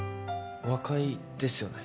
和解ですよね。